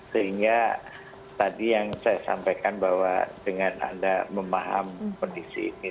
sehingga tadi yang saya sampaikan bahwa dengan anda memahami kondisi ini